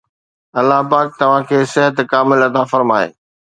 الله پاڪ توهان کي صحت کامل عطا فرمائي.